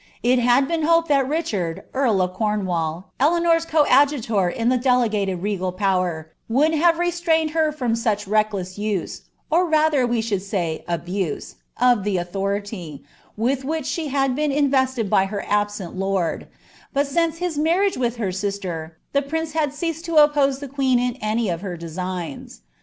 |l biil b«en hoped that Bichard, rarl of Cornwall, Elcanor'i roajjulor m the delegated regal power, would have restmined her from such reclden qm —or rather wc thould siiy abune — of the authority, with which she had been invested by her absent lord ; but since his marriage wiib hrr usia, that prinee had ceaseil to oppose the queeu in any of her designa.